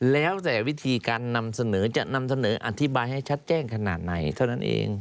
แล้วแต่วิธีการนำเสนอจะนำเสนออธิบายให้ชัดแจ้งขนาดไหนเท่านั้นเอง